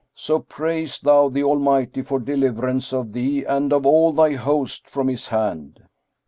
So praise thou the Almighty for deliverance of thee and of all thy host from his hand."